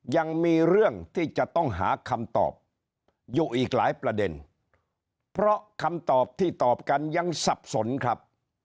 ยังมีเรื่องที่จะต้องหาคำตอบอยู่อีกหลายประเด็นเพราะคำตอบที่ตอบกันยังสับสนครับ